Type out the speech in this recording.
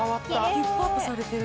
ヒップアップされてる。